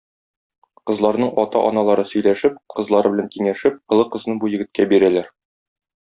Кызларның ата-аналары сөйләшеп, кызлары белән киңәшеп, олы кызны бу егеткә бирәләр.